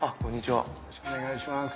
よろしくお願いします。